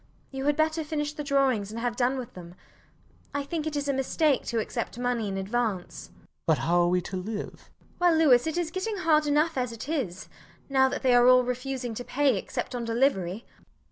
You had better finish the drawings and have done with them. I think it is a mistake to accept money in advance. LOUIS. But how are we to live? MRS DUBEDAT. Well, Louis, it is getting hard enough as it is, now that they are all refusing to pay except on delivery.